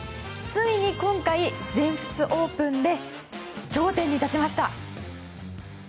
ついに今回、全仏オープンで頂点に立ちました。